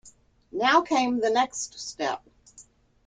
Now came the next step.